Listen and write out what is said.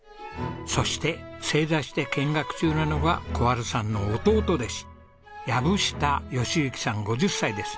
そして正座して見学中なのが小春さんの弟弟子薮下喜行さん５０歳です。